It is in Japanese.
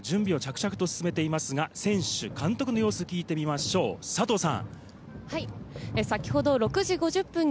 湖では、各チームが準備を着々と進めていますが、選手・監督の様子を聞いてみましょう、佐藤さん。